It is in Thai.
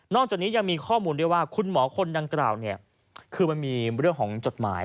นอกจากนี้ยังมีข้อมูลว่าคุณหมอคนดังกล่าวมีเรื่องของจดหมาย